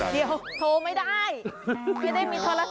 เดี๋ยวโทรไม่ได้เพื่อได้มิตรศาสตร์